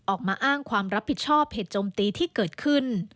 ออกมาอ้างความรับผิดชอบเหตุจมตีที่เกิดขึ้น